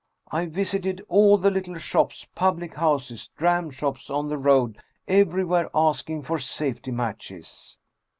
I visited all the little shops, public houses, dram shops on the road, everywhere asking for safety matches.